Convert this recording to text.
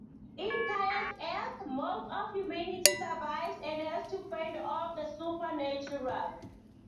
In "Chaos Earth", most of humanity survives and has to fend off the supernatural.